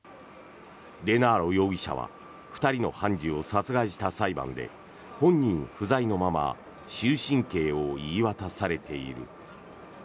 デナーロ容疑者は２人の判事を殺害した裁判で本人不在のまま終身刑を言い渡されている。